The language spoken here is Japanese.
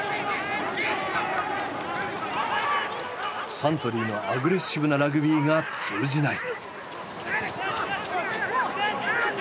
サントリーのアグレッシブなラグビーが通じない。